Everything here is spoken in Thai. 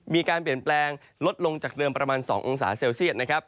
มีการเปลี่ยนแปลงลดลงจากเดิมประมาณ๒องศาเซลเซียตนะครับ